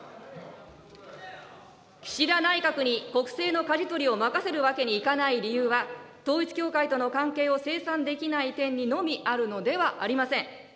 岸田内閣に国政のかじ取りを任せるわけにいかない理由は、統一教会との関係を精算できない点にのみあるのではありません。